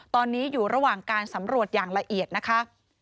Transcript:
ตอนนี้อยู่ระหว่างการสำรวจอย่างละเอียดนะคะ